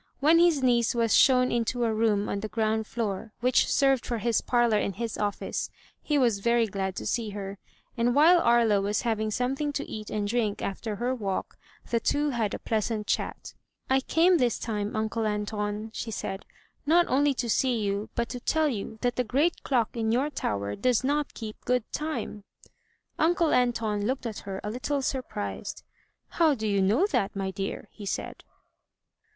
When his niece was shown into a room on the ground floor, which served for his parlor and his office, he was very glad to see her; and while Aria was having some thing to eat and drink after her walk, the two had a pleasant chat. "I came this time. Uncle Anton," she said, "not only to see you, but to tell you that the great clock in your tower does not keep good time." Uncle Anton looked at her a little surprised. "How do you know that, my dear?" he said.